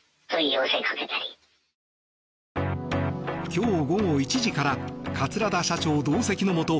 今日午後１時から桂田社長同席のもと